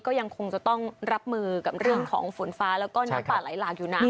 ก็ยังคงจะต้องรับมือกับเรื่องของฝนฟ้าแล้วก็น้ำป่าไหลหลากอยู่นาน